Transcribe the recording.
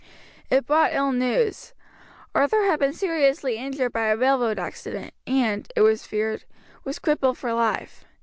It brought ill news. Arthur had been seriously injured by a railroad accident and, it was feared, was crippled for life.